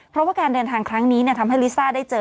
เพราะว่าการเดินทางครั้งนี้ทำให้ลิซ่าได้เจอ